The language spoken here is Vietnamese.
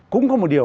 cũng có một điều